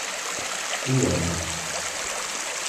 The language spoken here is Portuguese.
O homem